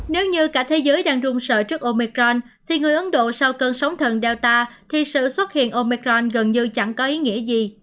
nếu như cả thế giới đang rung sợ trước omicron thì người ấn độ sau cơn sóng thần dowta thì sự xuất hiện omicron gần như chẳng có ý nghĩa gì